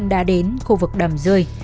đã đến khu vực đầm rươi